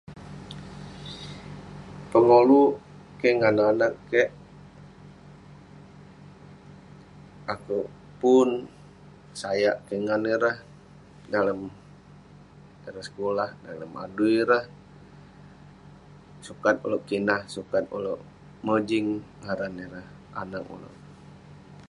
Pengoluk kek ngan anag kek, akeuk pun sayak kek ngan ireh dalem ireh sekulah dalem adui ireh. Sukat uleuk kinah, sukat uleuk mojing ngaran ireh anag uleuk.